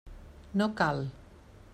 No cal.